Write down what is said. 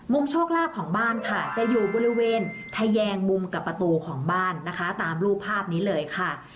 โชคลาภของบ้านค่ะจะอยู่บริเวณทะแยงมุมกับประตูของบ้านนะคะตามรูปภาพนี้เลยค่ะ